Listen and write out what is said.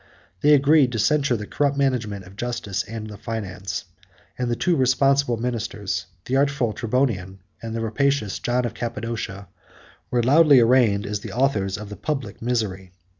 They agreed to censure the corrupt management of justice and the finance; and the two responsible ministers, the artful Tribonian, and the rapacious John of Cappadocia, were loudly arraigned as the authors of the public misery.